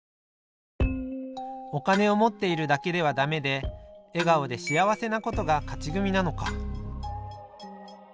お金を持っているだけではだめで笑顔で幸せなことが勝ち組なのか